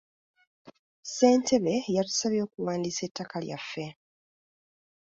Ssentebe yatusabye okuwandiisa ettaka lyaffe.